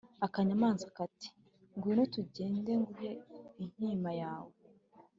akanyamanza kati ‘ ngwino tugende nguhe inkima yawe,